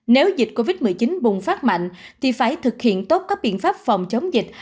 nếu dịch covid một mươi chín bùng phát mạnh thì phải thực hiện tốt các biện pháp phòng chống dịch